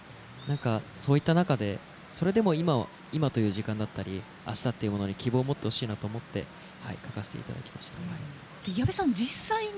そういった中で、それでも今という時間だったりあしたっていうものに希望を持ってほしいなと思って書かせていただきました。